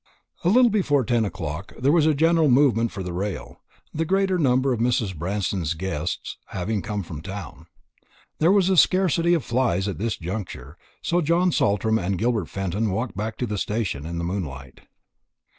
A little before ten o'clock there was a general movement for the rail, the greater number of Mrs. Branston's guests having come from town. There was a scarcity of flys at this juncture, so John Saltram and Gilbert Fenton walked back to the station in the moonlight.